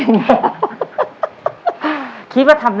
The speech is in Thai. คุณฝนจากชายบรรยาย